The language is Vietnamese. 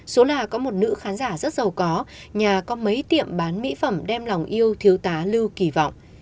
số nào có một nữ khán giả rất giàu có nhà có mấy tiệm bán mỹ phẩm đem lòng yêu thiếu tá lưu kỳ vọng